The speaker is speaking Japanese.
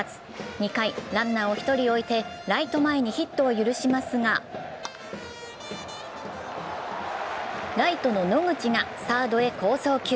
２回、ランナーを１人置いてライト前にヒットを許しますがライトの野口がサードへ好送球。